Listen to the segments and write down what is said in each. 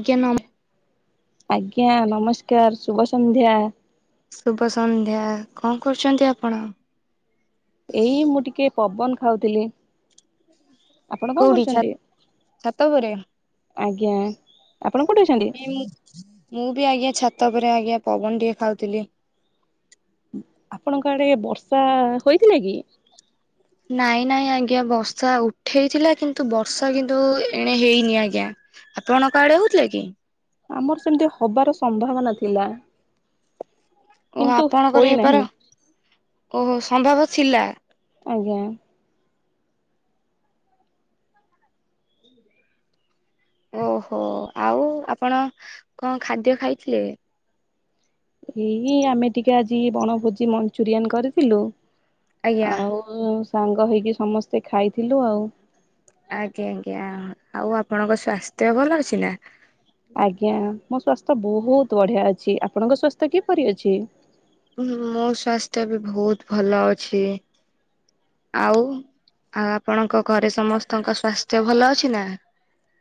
ଆଜ୍ଞା ନମ ଆଜ୍ଞା ନମସ୍କାର ଶୁଭ ସନ୍ଧ୍ୟା। ଶୁଭ ସନ୍ଧ୍ୟା କଣ କରୁଛନ୍ତି ଆପଣ? ଏଇ ମୁଁ ଟିକେ ପବନ ଖାଉଥିଲି। ଆପଣ କଣ କୋଉଠି ଛା କରୁଛନ୍ତି ଛାତ ଉପରେ ଆଜ୍ଞା। ଆପଣ କୋଉଠି ଅଛନ୍ତି? ମୁଁ ବି ଆଜ୍ଞା ଛାତ ପରେ ଆଜ୍ଞା ପବନ ଟେ ଖାଉଥିଲି। ଆପଣଙ୍କ ଆଡେ ବର୍ଷା ହୋଇଥିଲା କି? ନାଇଁ ନାଇଁ ଆଜ୍ଞା ବର୍ଷା ଉଠେଇଥିଲା କିନ୍ତୁ ବର୍ଷା କିନ୍ତୁ ଏଣେ ହେଇନି ଆଜ୍ଞା। ଆପଣ କୁଆଡେ ହଉଥିଲେ କି? ଆମର ସେମିତି ହବାର ସମ୍ଭାବନା ଥିଲା। ଓହୋ କିନ୍ତୁ ଆପଣଙ୍କର ହୋଇନାହିଁ ହେବାର ଓହୋ ସମ୍ଭବ ଥିଲା। ଆଜ୍ଞା। ଓହୋ ଆଉ ଆପଣ କଣ ଖାଦ୍ୟ ଖାଇଥିଲେ? ଏଇ ଆମେ ଟିକେ ଆଜି ବଣଭୋଜି ମଞ୍ଚୁରିଆନ କରିଥିଲୁ। ଆଜ୍ଞା। ଆଉ ସାଙ୍ଗ ହେଇକି ସମସ୍ତେ ଖାଇଥିଲୁ ଆଉ। ଆଜ୍ଞା ଆଜ୍ଞା ଆଉ ଆପଣଙ୍କ ସ୍ଵାସ୍ଥ୍ୟ ଭଲ ଅଛି ନା? ଆଜ୍ଞା ମୋ ସ୍ଵାସ୍ଥ୍ୟ ବହୁତ ବଢିଆ ଅଛି ଆପଣଙ୍କ ସ୍ଵାସ୍ଥ୍ୟ କିପରି ଅଛି? ମୋ ସ୍୍ୱାସ୍ଥ୍ୟ ବି ବହୁତ ଭଲ ଅଛି। ଆଉ ଆଉ ଆପଣଙ୍କ ଘରେ ସମସ୍ତଙ୍କ ସ୍୍ୱାସ୍ଥ୍ୟ ଭଲ ଅଛି ନା?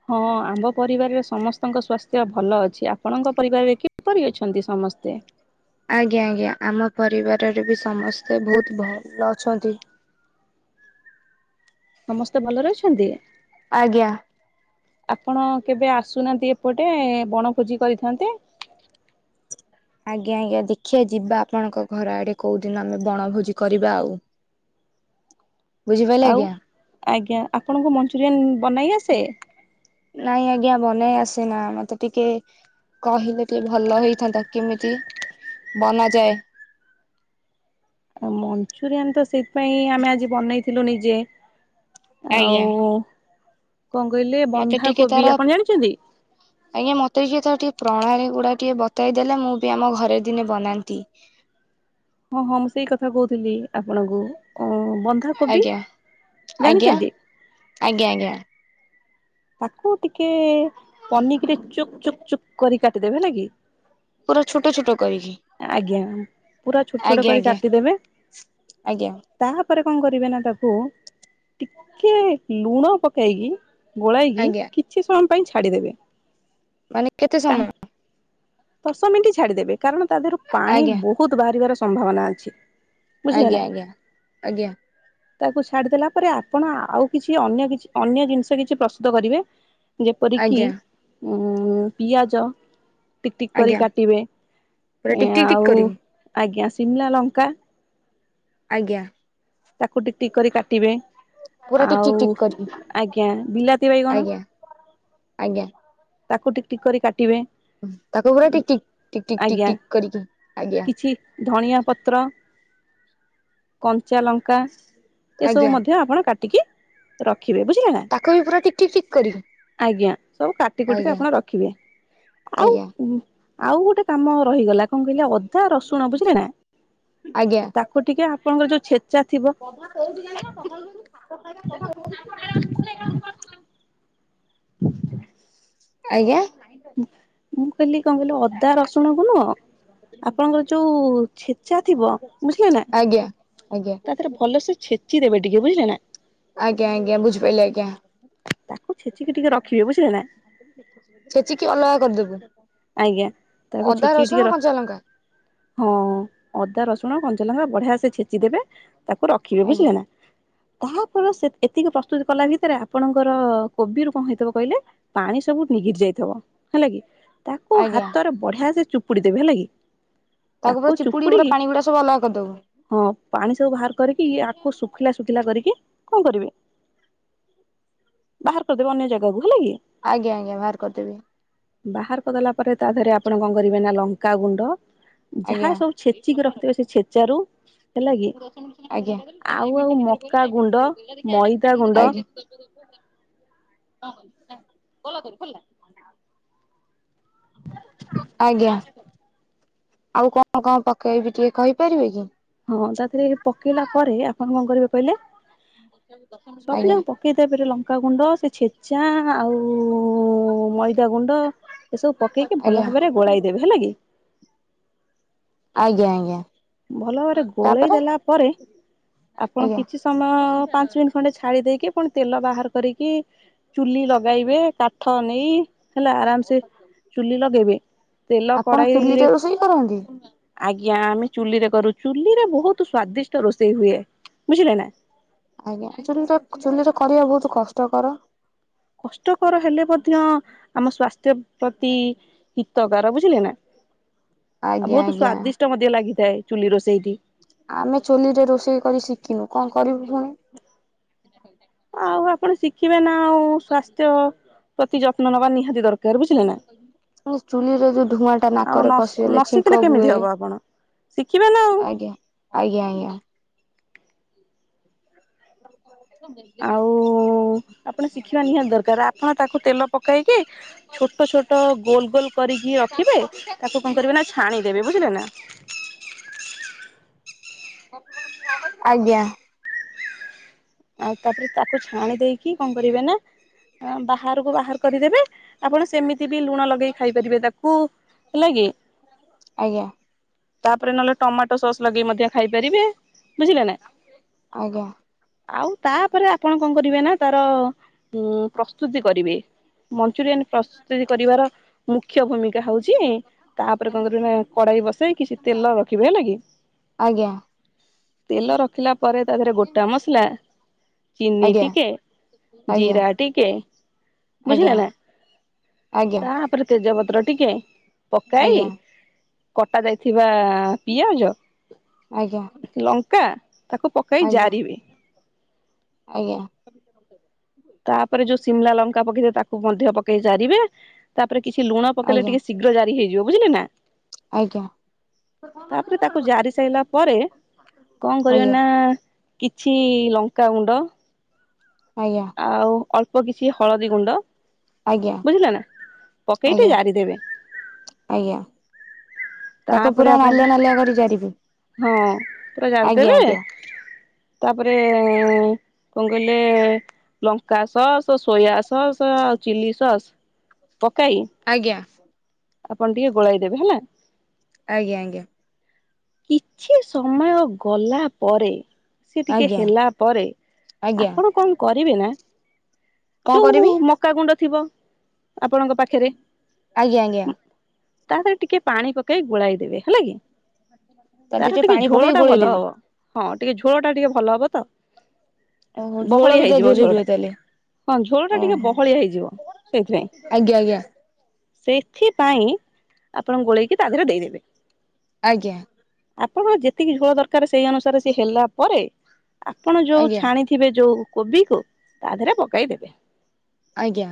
ହଁ ଆମ ପରିବାରରେ ସମସ୍ତଙ୍କ ସ୍୍ୱାସ୍ଥ୍ୟ ଭଲ ଅଛି ଆପଣଙ୍କ ପରିବାରରେ କି କିପରି ଅଛନ୍ତି ସମସ୍ତେ? ଆଜ୍ଞା ଆଜ୍ଞା ଆମ ପରିବାରରେ ବି ସମସ୍ତେ ବହୁତ ଭଲ ଅଛନ୍ତି। [inaudible] ସମସ୍ତେ ଭଲରେ ଅଛନ୍ତି। ଆଜ୍ଞା। ଆପଣ କେବେ ଆସୁନାହାନ୍ତି ଏପଟେ ବଣ ଖୋଜି କରିଥାନ୍ତେ। ହ ଆଜ୍ଞା ଆଜ୍ଞା ଦେଖିବା ଯିବା ଆପଣଙ୍କ ଘର ଆଡେ କୋଉ ଦିନ ଆମେ ବଣଭୋଜି କରିବା ଆଉ। ବୁଝିପାରିଲ ଆଉ ଆଜ୍ଞା। ଆଜ୍ଞା ଆପଣଙ୍କୁ ମଞ୍ଚୁରିଆନ ବନେଇ ଆସେ? ମନେଇ ଆସେନା ମତେ ଟିକେ କହିଲେ ଟିକେ ଭଲ ହେଇଥାନ୍ତା କେମିତି ବନା ଯାଏ। ମଞ୍ଚୁରିଆନ୍ ତ ସେଇଥିପାଇଁ ଆମେ ଆଜି ବନେଇଥିଲୁ ନିଜେ ଆଉ ଆଜ୍ଞା। କଣ କହିଲେ ମତେ ଟିକେ ବନ୍ଧାକୋବି ତାର ଆପଣ ଜାଣିଛନ୍ତି? ଆଜ୍ଞା ମତେ ଟିକେ ତାର ଟିକେ ପ୍ରଣାଳୀ ଗୁଡା ଟିକେ ବତେଇ ଦେଲେ ମୁଁ ବି ଆମ ଘରେ ଦିନେ ବନାନ୍ତି। ହଁ ହଁ ମୁଁ ସେଇ କଥା କହୁଥିଲି ଆପଣଙ୍କୁ। ବନ୍ଧାକୋବି ଆଜ୍ଞା ଆଜ୍ଞା ଜାଣିଛନ୍ତି। ଆଜ୍ଞା ଆଜ୍ଞା। ତାକୁ ଟିକେ ପନିିକିରେ ଚୁକ୍ ଚୁକ୍ ଚୁକ୍ କରି କାଟିଦେବେ ହେଲା କି। ପୁରା ଛୋଟ ଛୋଟ କରିକି ଆଜ୍ଞା ପୁରା ଛୋଟ ଛୋଟ ଆଜ୍ଞା କରି ଆଜ୍ଞା କାଟିଦେବେ। ଆଜ୍ଞା। ପରେରେ କଣ କରିବେ ନା ତାକୁ ଟିକେ ଲୁଣ ପକେଇକି ଗୋଳାଇକି ଆଜ୍ଞା। କିଛି ସମୟ ପାଇଁ ଛାଡ଼ିଦେବେ। ମାନେ କେତେ ସମୟ? ଦଶ ମିନିଟ ଛାଡିଦେବେ କାରଣ ତା ଦେହରୁ ପାଣି ଆଜ୍ଞା ବହୁତ ବାହାରିବାର ସମ୍ଭାବନା ଅଛି। ବୁଝିଲେ ନା ଆଜ୍ଞା ଆଜ୍ଞା ଆଜ୍ଞା। ତାକୁ ଛାଡିଦଲା ପରେ ଆପଣ ଆଉ କିଛି ଅନ୍ୟ କିଛି ଅନ୍ୟ ଜିନିଷ କିଛି ପ୍ରସ୍ତୁତ କରିବେ। ଯେପରିକି ଆଜ୍ଞା ଉ ପିଆଜ ିକ ଟିକ କରି ଆଜ୍ଞା କାଟିବେ ପୁରା ଟିକ ଟିକ ଟିକ ଆଉ କରିକି ଆଜ୍ଞା ସିମଲା ଲଙ୍କା ଆଜ୍ଞା। ତାକୁ ଟିକେ ଟିକ କରି କାଟିବେ ପୁରା ଟିକ ଟିକ ଟିକ ଆଉ କରିକି ଆଜ୍ଞା ବିଲାତି ବାଇଗଣ। ଆଜ୍ଞା ଆଜ୍ଞା। ତାକୁ ଠିକ ଠିକ କରି କାଟିବେ ତାକୁ ପୁରା ଟିକି -ଟିକି -ଟିକି ଆଜ୍ଞା -ଟିକି-ଟିକି -ଟିକି କରିକି ଆଜ୍ଞା କିଛି ଧଣିଆ ପତ୍ର କଞ୍ଚା ଲଙ୍କା ଏସବୁ ଆଜ୍ଞା ମଧ୍ୟ ଆପଣ କାଟିକି ରଖ ରଖିବେ ବୁଝିଲେନାଁ ତାକୁ ବି ପୁରା ଟିକ ଟିକ ଟିକ କରିକି ଆଜ୍ଞା ସବୁ କା ଟିକେ ଆଜ୍ଞା ଆପଣ ରଖିବେ ଆଉ ଆଜ୍ଞା ଆଉ ଗୋଟେ କାମ ରହିଗଲା କଣ କହିଲେ ଅ ରସୁଣ ବୁଝିଲେ ନାଁ ତାକୁ ଟିକେ ଆପଣଙ୍କର ଯୋଉଁ ଛେ କଭା କୋଉଠି ଯାଇଲ ସଖାଳ ପରଠୁ [inaudible] ଆଜ୍ଞା ମୁଁ କହିଲି କଣ କହିଲି ଅଦା ରସୁଣ କୁ ନୁହଁ ଆପଣଙ୍କର ଯୋଉଁ ଛେ ଛା ଥିବ ବୁଝିଲନାଁ ଆଜ୍ଞା ଆଜ୍ଞା ତା ଦେହରେ ଭଲ ସେ ଛେ ଆଜ୍ଞା ଆଜ୍ଞା ବୁଝିପାରିଲି ଆଜ୍ଞା ତାକୁ ଛେଚିକି ଟିକେ ରଖିବେ ବୁଝିଲେ ନାଁ ଛେଚିକି ଅଲଗାକରିଦେବେ ଆଜ୍ଞା ତାକୁ ଅଦା ଛେଚିକି ଟିକେ ର ରସୁଣ କଞ୍ଚାଲଙ୍କା। ହଁ ଅଦା ରସ କଞ୍ଚଲଙ୍କା ବଢିଆ ସେ ଛେଚି ଦେବେ ତାକୁ ରଖିବେ ଆଜ୍ଞା ବୁଝିଲେ ନାଁ ତାପରେ ସେ ଏତିକି ପ୍ରସ୍ତୁତ କଲା ଭିତରେ ଆପଣଙ୍କର କୋବିରୁ କଣ ହେଇଥିବ କହିଲେ ପାଣି ସବୁ ନିଗିରି ଯାଇଥିବ ହେଲା କି ତାକୁ ଆଜ୍ଞା। ହାତରେ ବଢିଆ ସେ ଚୁପୁଡି ଦେବେ ହେଲା କି ତାକୁ ପରେ ଚିପୁଡି ପାଣି ଗୁଡାକ ସବ ଅଲଗା କରି ହଁ ପାଣି ସବୁ ବାହାର କରିକି ଆଖକୁ ଶୁଖିଲା ଶୁଖିଲା କରିକି କଣ କରିବେ ବାହାର କରିଦେବେ ଅନ୍ୟ ଜାଗାକୁ ହେଲା କି ଆଜ୍ଞା ଆଜ୍ଞା ବାହାର କରିଦେବି ବାହାର କରିଦେଲା ପରେ ତା ଧରେ ଆପଣ କଣ କରିବେ ନା ଲଙ୍କା ଗୁଣ୍ଡ ଯାହା ଆଜ୍ଞା। ସବୁ ଛେଚିକି ରଖିଥିବ ସେ ଛେଚାରୁ ହେଲା କି ମୁଁ ଦଶ ମିନିଟ ଆଜ୍ଞା [inaudible] ଦେଖା [inaudible] ଆଉ ଆଉ ମକା ଗୁଣ୍ଡ ମଇଦା [inaudible] କ ଗୁଣ୍ଡ [inaudible] ଆଜ୍ଞା। ଆଉ କଣ କଣ ପକେଇବି ଟିକେ କହିପାରିବେ କି ହଁ ତାଧୀରେ ପକେଇଲା ପରେ ଆପଣ କଣ କରିବେ କହିଲେ ସବୁ ଯାକ ପକେଇତାପରେ ଲଙ୍କାଗୁଣ୍ଡ ସେ ଛେଚା ଆଉ ମଇଦା ଗୁଣ୍ଡ ଏସବୁ ପକେଇକି ଭଲ ଆଜ୍ଞା ଭାବରେ ଗୋଳାଇ ଦେବେ ହେଲା କି ଆଜ୍ଞା ଆଜ୍ଞା। ଭଲ ଭାବରେ ଗୋଳେଇ ତାପରେ ଦେଲା ପରେ ଆପଣ ଆଜ୍ଞା କିଛି ସମୟ ପାଞ୍ଚ ମିନିଟ୍ ଖଣ୍ଡେ ଛାଡି ଦେଇକି କଣ ତେଲ ବାହାର କରିକି ଚୁଲି ଲଗାଇବେ କାଠ ନେଇ ହେଲା ଆରାମ ସେ ଚୁଲି ଲଗେଇବେ ତେଲ ଆପଣ ଚୁଲିରେ କଡ଼ାଇରେ ରୋଷେଇ କରନ୍ତି? ଆଜ୍ଞା ଆମେ ଚୁଲି ରେ କରୁ ଚୁଲି ରେ ବହୁତ ସ୍ଵାଦିଷ୍ଟ ରୋଷେଇ ହୁଏ ବୁଝିଲେ ନାଁ। ଆଜ୍ଞା ଚୁ ଚୁଲିରେ କରିବା ବହୁତ କଷ୍ଟକର କଷ୍ଟକର ହେଲେ ମଧ୍ୟ ଆମ ସ୍ଵାସ୍ଥ୍ୟ ପ୍ରତି ହିତକାର ବୁଝ ବୁଝିଲେ ନାଁ ଆଉ ଆଜ୍ଞା ବହୁତ ଆଜ୍ଞା। ସ୍ଵାଦିଷ୍ଟ ମଧ୍ୟ ଲାଗିଥାଏ ଚୁଲି ରୋଷେଇ ଆମେ ଚୁଲି ରେ ରୋଷେଇ କରି ଶିଖିନୁ କଣ କରିବୁ ପୁଣି ଆଉ ଆପଣ ଶିଖିବେ ନାଁ ଆଉ ସ୍ଵାସ୍ଥ୍ୟ ପ୍ରତି ଯତ୍ନ ନେବା ନିହାତି ଦରକାର ବୁଝିଲେ ନା ଚୁଲିରେ ଯୋଉଁ ଧୂଆଁ ଟା ଆଉ ନ ନାକରେ ନ ପଶିଗଲେ ଶିଖିଲେ ଛିଙ୍କ କେମିତି ହୁଏ ହବ ଆପଣ। ଶିଖିବେ ନା ଆଉ ଆଜ୍ଞା ଆଜ୍ଞା ଆଜ୍ଞା ଆଉ ଖେ [inaudible] ଆପଣ ଶିଖିବା ନିହାତି ଦରକାର ଆପଣ ତାକୁ ତେଲ ପକାଇକି ଛୋଟ ଛୋଟ ଗୋଲ ଗୋଲ କରିକି କି ରଖିବେ, ତାକୁ କଣ କରିବେ ନା ଛାଣିଦେବେ, ବୁଝିଲେ ନା ଆଜ୍ଞା। ଆଉ ତାପରେ ତାକୁ ଛାଣି ଦେଇକି କଣ କରିବେ ନା ବାହାରକୁ ବାହାର କରିଦେବେ, ଆପଣ ସେମିତି ବି ଲୁଣ ଲଗେଇ ଖାଇପାରିବେ ତାକୁ, ହେଲା କି ତାପରେ ନହେଲେ ଟମାଟୋ ସସ୍ ଲଗେଇ ମଧ୍ୟ ଖାଇପାରିବେ। ବୁଝିଲେ ନା ଆଜ୍ଞା। ଆଉ ତାପରେ ଆପଣ କଣ କରିବେ ନା ତାର ଉଁ ପ୍ରସ୍ତୁତି କରିବେ ମନଚୁରିଆନ ପ୍ରସ୍ତୁତି କରିବାର ମୁଖ୍ୟ ଭୂମିକା ହଉଛି ତାପରେ କଣ କରିବ ନା କଡ଼ାଇ ବସେଇ କିଛି ତେଲ ରଖିବେ ହେଲା କି ଆଜ୍ଞା। ତେଲ ରଖିଲା ପରେ ତା ଦେହରେ ଗୋଟା ମସଲା ଚିିନି ଆଜ୍ଞା ଟିକେ, ଆଜ୍ଞା ଜିରା ଟିକେ ଆଜ୍ଞା ବୁଝିଲେ ନା, ଆଜ୍ଞା ତାପରେ -ତେଜପତ୍ର ଟିକେ ପକାଇ ଆଜ୍ଞା କଟା ଯାଇଥିବା ପିଆଜ ଆଜ୍ଞା। ଲଙ୍କା ତାକୁ ପକେଇ ଆଜ୍ଞା ଜାରିବେ ଆଜ୍ଞା। ତାପରେ ଯୋଉ ସିମଲା ଲଙ୍କା ପକେଇ ତାକୁ ମଧ୍ୟ ପକେଇ ଜାରିବେ ତାପରେ ତାପରେ କିଛି ଲୁଣ ପକେଇଲେ, ଆଜ୍ଞା ଟିକେ ଶୀଘ୍ର ଜାରି ହେଇଯିବ, ବୁଝିଲେ ନା ଆଜ୍ଞା ଆଜ୍ଞା ତାପରେ ତାକୁ ଜାରି ସାରିଲା ପରେ କଣ କରିବ ଆଜ୍ଞା ନା କିଛି ଲଙ୍କା ଗୁଣ୍ଡ ଆଜ୍ଞା ଆଉ ଅଳ୍ପ କିଛି ହଳଦୀ ଗୁଣ୍ଡ ଆଜ୍ଞା ବୁଝିଲ ନା, ପକେଇଟି ଆଜ୍ଞା ଜାରି ଦେବେ। ଆଜ୍ଞା ତାକୁ ପୁରା ନାଲିଆ ନାଲିଆ କରି ଜାରିଵେ। ହଁ ପୁରା ଜାଡ଼ିଦେବେ, ତାପରେ କଣ କହିଲେ ଲଙ୍କା ସଅସ୍, ସୋୟା ସଅସ୍ ଆଉ ଚିଲି ସସ୍ ପକାଇ ଆଜ୍ଞା ଆପଣ ଟିକେ ଗୋଳେଇ ଦେବେ, ହେଲା। ଆଜ୍ଞା ଆଜ୍ଞା। କିଛି ସମୟ ଗଲା ପରେ ସେ ଟିକେ ଆଜ୍ଞା ହେଲା ପରେ, ଆଜ୍ଞା ଆପଣ କଣ କରିବେ ନା କଣ ଯୋଉ କରିବି ମକା ଗୁଣ୍ଡ ଥିବ ଆପଣଙ୍କ ପାଖରେ ଆଜ୍ଞା ଆଜ୍ଞା। ତାଥରେ ଟିକେ ପାଣି ପକେଇ ଗୋଳାଇ ଦେବେ ହେଲା କି ତା ତାର ଦେହରେ ଟିକେ ପାଣି ଝୋଳ ପକେଇ ଟା ଗୋଳେଇ ଭଲ ଦେବି ହବ, ହଁ ଟିକେ ଝୋଳ ଟା ଟିକେ ଭଲ ହବ ତ। ଓହୋ ଝୋଳ ବହଳିଆ ବି ତା ହେଇଯିବ ଝୋଳ ଦେହେରେ ଟା ରୁହେ ତାହେଲେ। ହଁ ଝୋଳ ଟା ଟିକେ ଓହୋ ବହଳିଆ ହେଇଯିବ, ସେଇଥିପାଇଁ। ଆଜ୍ଞା ଆଜ୍ଞା ସେଥିପାଇଁ ଆପଣ ଗୋଳେଇକି ତା ଦେହରେ ଦେଇଦେବେ। ଆଜ୍ଞା। ଆପଣଙ୍କ ଯେତିକି ଝୋଳ ଦରକାର ସେଇ ଅନୁସାରେ ସେ ହେଲା ପରେ, ଆପଣ ଯୋଉ ଆଜ୍ଞା ଛାଣିଥିବେ ଯୋଉ କୋବି କୁ ତା ଦେହରେ ପକାଇଦବେ। ଆଜ୍ଞା।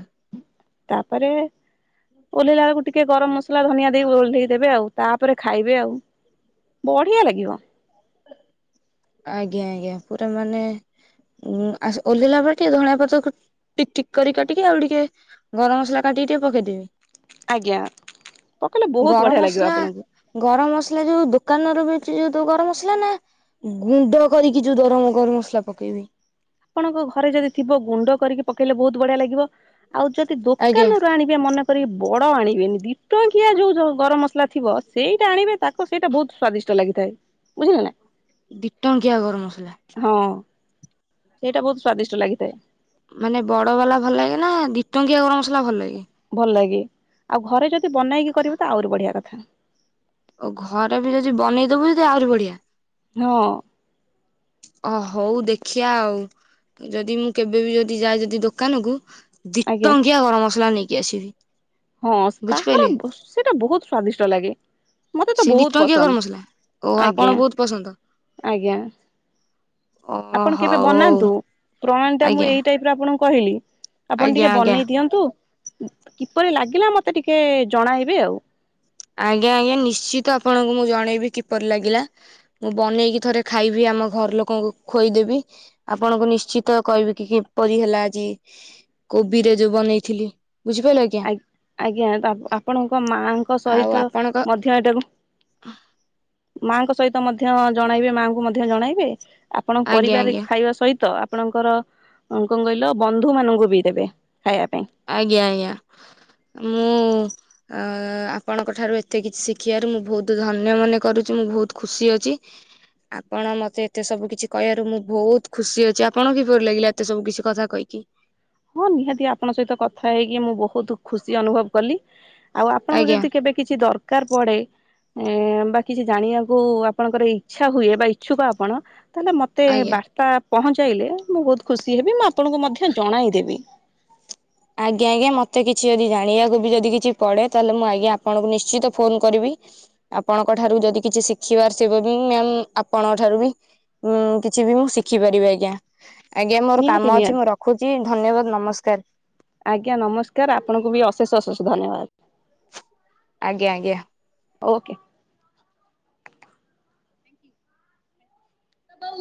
ତାପରେ ଓହେଇଲା ବେଳକୁ ଟିକେ ଗରମ ମସଲା, ଧନିଆ ଦେଇକି ଓହ୍ଲେଇ ଦେବେ ଆଉ ତାପରେ ଖାଇବେ ଆଉ ବଢିଆ ଲାଗିବ। ଆଜ୍ଞା ଆଜ୍ଞା, ପୁରା ମାନେ ଉଁ ଆ ଓଲେହିଲା ବେଳେ ଟିକେ ଧଣିଆ ପତ୍ର ଟିକ ଠିକ କରି କାଟିକି ଆଉ ଟିକେ ଗରମ ମସଲା କାଟିକି ଟିକେ ପକେଇ ଦେବି। ଆଜ୍ଞା ପକେଇଲେ ବହୁତ ଗରମ ବଢିଆ ଲାଗିବ ମସଲା, ଆପଣଙ୍କୁ ଗରମ ମସଲା ଯୋଉ ଦୋକାନରୁ ବି ସେଇ ଯୋଉ ତୋ ଗରମ ମସଲା ନା ଗୁଣ୍ଡ କରିକି ଯୋଉ ଗରମ ଗରମ ମସଲା ପକେଇବି? ଆପଣଙ୍କ ଘରେ ଯଦି ଥିବ ଗୁଣ୍ଡ କରିକି ପକେଇଲେ ବହୁତ ବଢିଆ ଲାଗିବ ଆଉ ଯଦି ଆଜ୍ଞା ଦୋକାନରୁ ଆଣିବି ମନେକରି ବଡ ଆଣିବେନି ଦିଇ ଟଙ୍କିଆ ଯୋଉ ଯ ଗରମ ମସଲା ଥିବ ସେଇଟା ଆଣିବେ ତାକୁ ସେଇଟା ବହୁତ ସ୍ଵାଦିଷ୍ଟ ଲାଗିଥାଏ। ବୁଝିଲ ନା। ଦି ଟଙ୍କିଆ ଗରମ ମସଲା! ହଁ ସେଇଟା ବହୁତ ସ୍ଵାଦିଷ୍ଟ ଲାଗିଥାଏ। ମାନେ ବଡ ବାଲା ଭଲ ଲାଗେ ନା ଦି'ଟଙ୍କିଆ ଗରମ ମସଲା ଭଲ ଲାଗେ? ଭଲ ଲାଗେ ଆଉ ଘରେ ଯଦି ବନେଇକି କରିବେ ତ ଆହୁରି ବଢିଆ କଥା। ଆଉ ଘର ବି ଯଦି ବନେଇ ଦବୁ ଯଦି ଆହୁରି ବଢିଆ। ହଁ। ଅ ହଉ ଦେଖିଆ ଆଉ ଯଦି ମୁଁ କେବେ ବି ଯଦି ଯାଏ ଯଦି ଦୋକାନକୁ ଦି' ଆଜ୍ଞା। ଟଙ୍କିଆ ଗରମ ମସଲା ନେଇକି ଆସିବି। ହଁ ବୁଝିପାଇଲେ ତାହର ସେଟା ବହୁତ ସ୍ଵାଦିଷ୍ଟ ଲାଗେ। ମତେ ତ ସେଇ ଦି ବହୁତ ଟଙ୍କିଆ ଗରମ ପସନ୍ଦ ମସଲା ଓ ଆପଣ ଆଜ୍ଞା ବହୁତ ପସନ୍ଦ। ଆଜ୍ଞା। ଓ ଆପଣ କେବେ ହଉ ହଉ ବନାନ୍ତୁ ପ୍ରଣାଳୀ ଟା ମୁଁ ଆଜ୍ଞା ଏଇ ଟାଇପର ଆପଣଙ୍କୁ କହିଲି। ଆପଣ ଆଜ୍ଞା ଟିକେ ଆଜ୍ଞା ବନେଇ ଦିଅନ୍ତୁ କିପରି ଲାଗିଲା ମତେ ଟିକେ ଜଣାଇବେ ଆଉ। ଆଜ୍ଞା ଆଜ୍ଞା ନିଶ୍ଚିତ ଆପଣଙ୍କୁ ମୁଁ ଜଣେଇବି କିପରି ଲାଗିଲା ମୁଁ ବନେଇକି ଥରେ ଖାଇବି ଆ ଆମ ଘର ଲୋକଙ୍କୁ ଖୋଇଦେବି ଆପଣଙ୍କୁ ନିଶ୍ଚିତ କହିବି କି କିପରି ହେଲା ଆଜି କୋବି ରେ ଯୋଉ ବନେଇଥିଲି ବୁଝିପାରିଲେ ଆଜ୍ଞା ଆ ଆଜ୍ଞା ଆପଣଙ୍କ ମାଆଙ୍କ ଆଉ ସହିତ ଆପଣଙ୍କ ମଧ୍ୟ ଏଟାକୁ ମାଙ୍କ ସହିତ ମଧ୍ୟ ଜଣାଇବେ ମାଙ୍କୁ ମଧ୍ୟ ଜଣାଇବେ ଆପଣ ଆଜ୍ଞା ପରିବାରେ ଆଜ୍ଞା ଖାଇବା ସହିତ ଆପଣଙ୍କର ଅ କଣ କହିଲ ବନ୍ଧୁମାନଙ୍କୁ ବି ଦେବେ। ଖାଇବା ପାଇଁ ଆଜ୍ଞା ଆଜ୍ଞା। ମୁଁ ଅ ଆପଣଙ୍କଠାରୁ ଏତେ କିଛି ଶିଖିବାରୁ ମୁଁ ବହୁତ ଧନ୍ୟ ମନେ କରୁଚି ମୁଁ ବହୁତ ଖୁସି ଅଛି ଆପଣ ମତେ ଏତେ ସବୁ କିଛି କହିଆରୁ ମୁଁ ବହୁତ ଖୁସି ଅଛି ଆପଣଙ୍କୁ କିପରି ଲାଗିଲା ଏତେ ସବୁ କିଛି କଥା କହିକି? କି ହଁ ନିହାତି ଆପଣଙ୍କ ସହିତ କଥା ହେଇକି ମୁଁ ବହୁତ ଖୁସି ଅନୁଭବ କଲି ଆଉ ଆପଣଙ୍କର ଆଜ୍ଞା ଯଦି କେବେ କିଛି ଦରକାର ପଡେ ଏ ବା କିଛି ଜାଣିଆକୁ ଆପଣଙ୍କର ଇଚ୍ଛା ହୁଏ ବା ଇଚ୍ଛୁକ ଆପଣ ତାହେଲେ ମୋତେ ଆଜ୍ଞା। ବାର୍ତ୍ତା ପହଞ୍ଚାଇଲେ ମୁଁ ବହୁତ୍ ଖୁସି ହେବି ମୁଁ ଆପଣଙ୍କୁ ମଧ୍ୟ ଜଣାଇ ଦେବି ଆଜ୍ଞା ଆଜ୍ଞା ମତେ କିଛି ଯଦି ଜାଣିଆକୁ ବି ଯଦି କିଛି ପଡେ ତାହେଲେ ମୁଁ ଆଜ୍ଞା ଆପଣଙ୍କୁ ନିଶ୍ଚିତ ଫୋନ କରିବି ଆପଣଙ୍କଠାରୁ ଯଦି କିଛି ଶିଖିବାର ଥିବ ବି ମ୍ୟାମ୍ ଆପଣଙ୍କଠାରୁ ବି ମୁଁ କି ଛି ବି ମୁଁ ଶିଖିପାରିବି ଆଜ୍ଞା ଆଜ୍ଞା ମୋର ନିହାତି କାମ ଅଛି ନିହାତି ମୁଁ ରଖୁଛି ଧନ୍ୟବାଦ ନମସ୍କାର। ଆଜ୍ଞା ନମସ୍କାର ଆପଣଙ୍କୁ ବି ଅଶେଷ ଅଶେଷ ଧନ୍ୟବାଦ। ଆଜ୍ଞା ଆଜ୍ଞା। ଓକେ କଉ